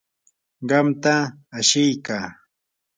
qamtam ashiykaa.